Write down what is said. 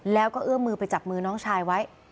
แล้วก็เอื้อมมือไปจับมือน้องชายไว้